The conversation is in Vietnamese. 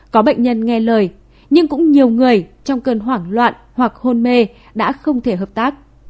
có bệnh nhân nghe lời nhưng cũng nhiều người trong cơn hoảng loạn hoặc hôn mê đã không thể hợp tác